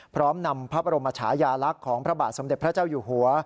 พร้อมนำพระบรมชายาลักษณ์ของพระบาทสมเด็จพระเจ้าอยู่หัว